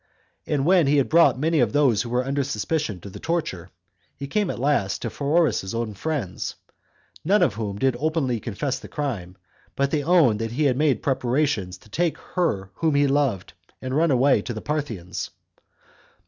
And when he had brought many of those that were under suspicion to the torture, he came at last to Pheroras's own friends; none of which did openly confess the crime, but they owned that he had made preparation to take her whom he loved, and run away to the Parthians.